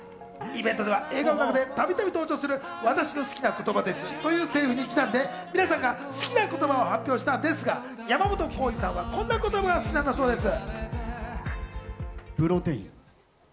イベントでは映画の中でたびたび登場する「私の好きな言葉です」というせりふにちなんで皆さんが好きな言葉を発表したんですが、山本耕史さんは今の言葉が好きだそうです。